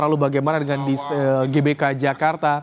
lalu bagaimana dengan di gbk jakarta